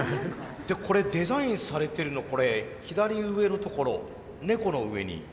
でこれデザインされてるのこれ左上の所ネコの上に。